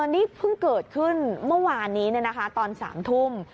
นี่เพิ่งเกิดขึ้นเมื่อวานนี้ตอน๓ทุ่ม